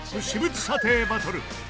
私物査定バトル